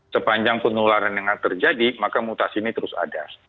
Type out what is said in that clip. sepanjang penularan yang terjadi maka mutasi ini terus ada